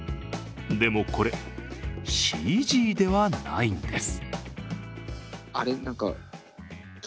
でもこれ、ＣＧではないんです。